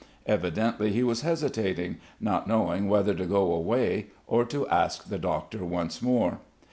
Evidently he was hesitating, not knowing whether to go away, or to ask the doctor once more.